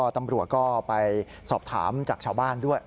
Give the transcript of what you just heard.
ตำรวจก็ไปสอบถามจากชาวบ้านด้วย